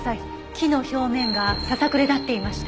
木の表面がささくれ立っていました。